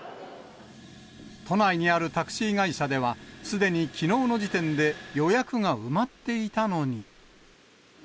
都内にあるタクシー会社では、すでにきのうの時点で予約が埋まっていたのに。